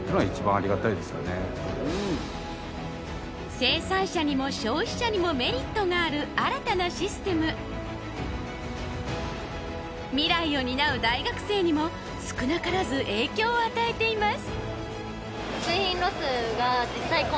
生産者にも消費者にもメリットがある新たなシステム未来を担う大学生にも少なからず影響を与えています